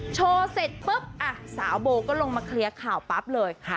โชว์เสร็จปุ๊บสาวโบก็ลงมาเคลียร์ข่าวปั๊บเลย